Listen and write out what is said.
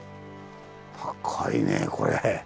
高いねこれ。